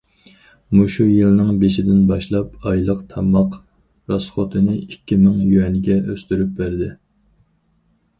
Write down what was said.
مۇشۇ يىلنىڭ بېشىدىن باشلاپ ئايلىق تاماق راسخوتىنى ئىككى مىڭ يۈەنگە ئۆستۈرۈپ بەردى.